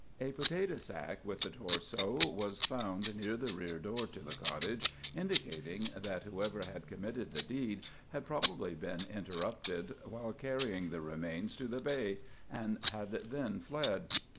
A potato sack, with the torso, was found near the rear door to the cottage, indicating that whoever had committed the deed had probably been interrupted while carrying the remains to the bay; and had then fled.